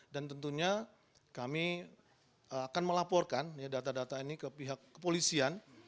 dan tentunya kami akan melaporkan data data ini ke pihak kepolisian